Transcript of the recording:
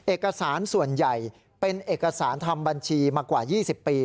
เอกสารส่วนใหญ่เป็นเอกสารทำบัญชีมากว่า๒๐ปี